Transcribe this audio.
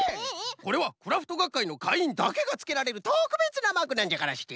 これはクラフトがっかいのかいいんだけがつけられるとくべつなマークなんじゃからして！